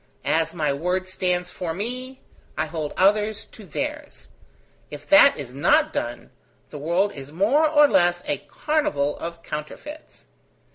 As my word stands for me, I hold others to theirs. If that is not done, the world is more or less a carnival of counterfeits.